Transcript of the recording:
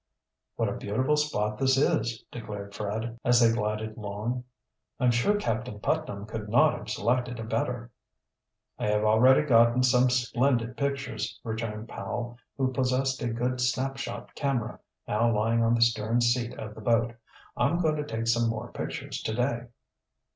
"What a beautiful spot this is," declared Fred, as they glided long. "I'm sure Captain Putnam could not have selected a better." "I have already gotten some splendid pictures," returned Powell, who possessed a good snap shot camera, now lying on the stern seat of the boat. "I'm going to take some more pictures to day."